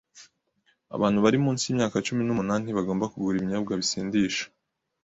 Abantu bari munsi yimyaka cumi n'umunani ntibagomba kugura ibinyobwa bisindisha.